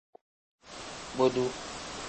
Bodu.